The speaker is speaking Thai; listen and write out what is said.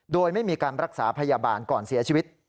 โดยไม่มีการรักษาพยาบาลก่อนเสียชีวิต